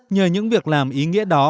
nhờ những việc làm ý nghĩa đó